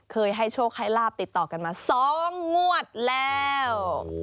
เคยให้โชคให้ลาบติดต่อกันมา๒งวดแล้ว